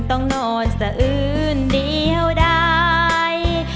ต้องนอนสะอื้นเดียวได้